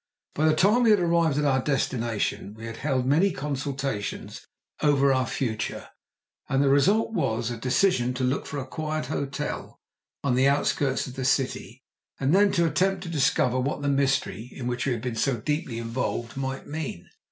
By the time we had arrived at our destination we had held many consultations over our future, and the result was a decision to look for a quiet hotel on the outskirts of the city, and then to attempt to discover what the mystery, in which we had been so deeply involved, might mean.